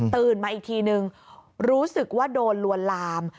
มาอีกทีนึงรู้สึกว่าโดนลวนลาม